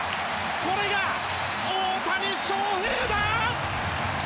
これが大谷翔平だ！